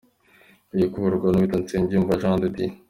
Iri kuyoborwa n’uwitwa Nsengiyumva Jean de Dieu.